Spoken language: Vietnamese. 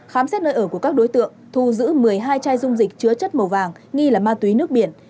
khám xét nơi ở của các đối tượng thu giữ một mươi hai chai dung dịch chứa chất màu vàng nghi là ma túy nước biển